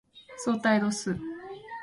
相対度数